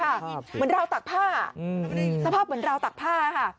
เหมือนราวตักผ้าสภาพเหมือนราวตักผ้าค่ะ